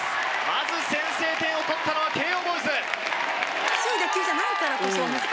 まず先制点を取ったのは京葉ボーイズ。